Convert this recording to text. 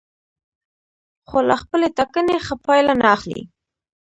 خو له خپلې ټاکنې ښه پایله نه اخلي.